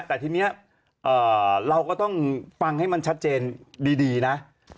แต่ทีนี้เราก็ต้องฟังให้มันชัดเจนดีนะ